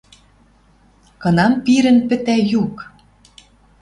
Кынам Пирӹн пӹтӓ юк